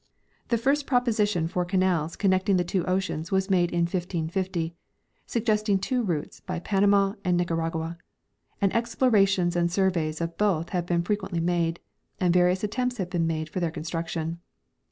The first proposition for canals con necting the two oceans was made in 1550, suggesting two routes, liy Panama and Nicaragua ; and explorations and surveys of both have been frequently made, and various attempts made for their construction.